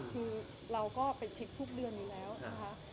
คือเราก็ไปเช็คทุกเดือนอยู่แล้วนะคะ